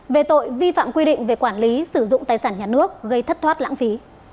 về tội vi phạm quy định về quản lý sử dụng tài sản nhà nước gây thất thoát lãng phí